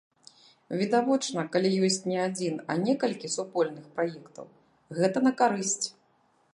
Відавочна, калі ёсць не адзін, а некалькі супольных праектаў, гэта на карысць.